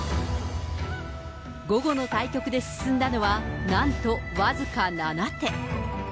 午後の対局で進んだのは、なんと僅か７手。